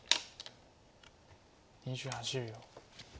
２８秒。